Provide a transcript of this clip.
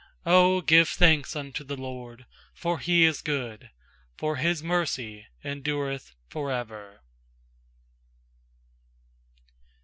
29Q give thanks unto the LORD, for He is good, For His mercy endureth for ever.